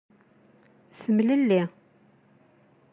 Temlelli.